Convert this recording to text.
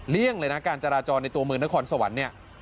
เลี่ยงเลยนะการจราจรในตัวเมืองนครสวรรค์เนี่ย